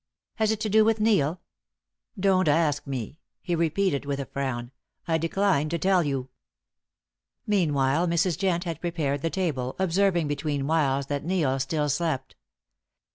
"Has it to do with Neil?" "Don't ask me," he repeated, with a frown. "I decline to tell you." Meanwhile Mrs. Jent had prepared the table, observing betweenwhiles that Neil still slept.